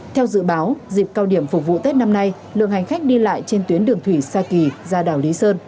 theo dự báo dịp cao điểm phục vụ tết năm nay lượng hành khách đi lại trên tuyến đường thủy sa kỳ ra đảo lý sơn